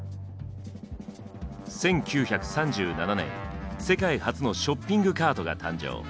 １９３７年世界初のショッピングカートが誕生。